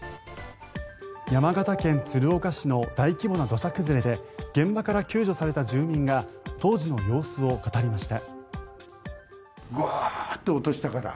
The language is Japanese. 山形県鶴岡市の大規模な土砂崩れで現場から救助された住民が当時の様子を語りました。